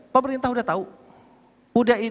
pemerintah sudah tahu sudah